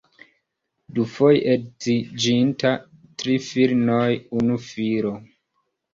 Dufoje edziĝinta, tri filinoj, unu filo.